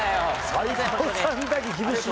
斎藤さんだけ厳しい。